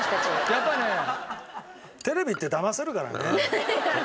やっぱりねテレビってだませるからね。